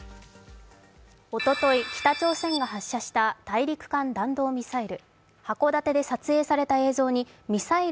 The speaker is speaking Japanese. おととい、北朝鮮が発射した大陸間弾道ミサイル。